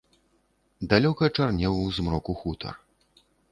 Далёка чарнеў у змроку хутар.